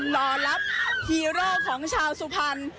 รอรับฮีโร่ของชาวสุพรรณ